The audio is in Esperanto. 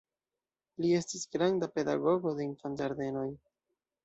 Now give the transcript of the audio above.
Li estis granda pedagogo de infanĝardenoj.